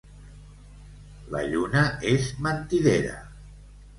La lluna és mentidera.